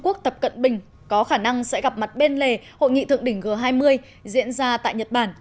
quốc tập cận bình có khả năng sẽ gặp mặt bên lề hội nghị thượng đỉnh g hai mươi diễn ra tại nhật bản